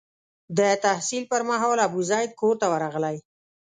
د تحصیل پر مهال ابوزید کور ته ورغلی.